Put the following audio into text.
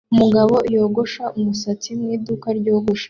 Umugabo yogosha umusatsi mu iduka ryogosha